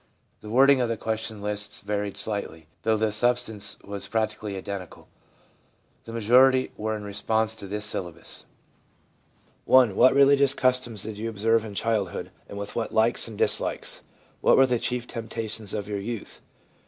The wording of the question lists varied slightly, though the substance was practically identical. The majority were in response to this syllabus :—' I. What religious customs did you observe in child hood, and with what likes and dislikes ? What w r ere the chief temptations of your youth